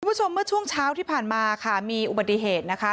เมื่อช่วงเช้าที่ผ่านมาค่ะมีอุบัติเหตุนะคะ